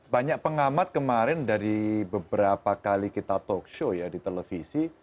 banyak pengamat kemarin dari beberapa kali kita talk show ya di televisi